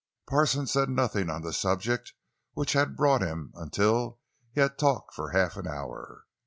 But Parsons said nothing on the subject which had brought him until he had talked for half an hour.